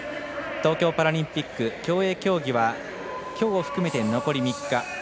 東京パラリンピック競泳競技はきょうを含めて残り３日。